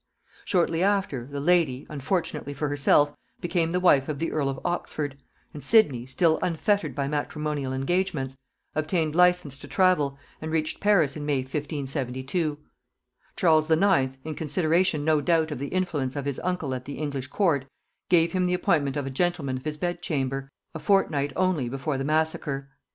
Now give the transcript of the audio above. Shortly after, the lady, unfortunately for herself, became the wife of the earl of Oxford; and Sidney, still unfettered by matrimonial engagements, obtained license to travel, and reached Paris in May 1572. Charles IX., in consideration no doubt of the influence of his uncle at the English court, gave him the appointment of a gentleman of his bed chamber, a fortnight only before the massacre.